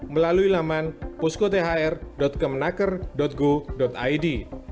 melalui laman puskothr kemenaker go id